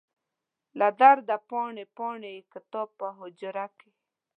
له درده پاڼې، پاڼې یې کتاب په حجره کې